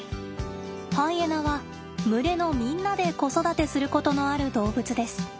ハイエナは群れのみんなで子育てすることのある動物です。